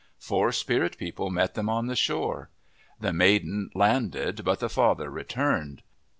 Four spirit people met them on the shore. The maiden landed but the father returned.